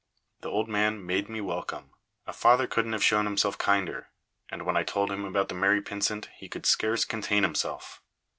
The old man made me welcome. A father couldn't have shown himself kinder, and when I told him about the Mary Pynsent he could scarce contain himself.